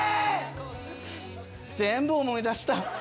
全部思い出した。